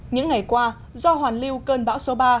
những ngày qua do hoàn lưu cơn bão số ba